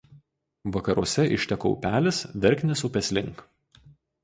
Vakaruose išteka upelis Verknės upės link.